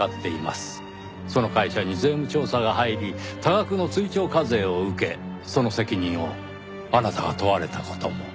その会社に税務調査が入り多額の追徴課税を受けその責任をあなたが問われた事も。